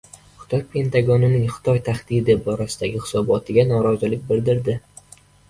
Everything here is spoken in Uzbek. Xitoy Pentagonning “Xitoy tahdidi” borasidagi hisobotiga norozilik bildirdi